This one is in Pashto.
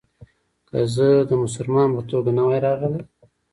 که زه د مسلمان په توګه نه وای راغلی.